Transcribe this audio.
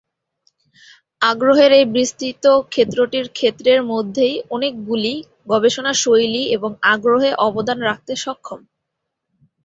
আগ্রহের এই বিস্তৃত ক্ষেত্রটির ক্ষেত্রের মধ্যে অনেকগুলি গবেষণা শৈলী এবং আগ্রহে অবদান রাখতে সক্ষম।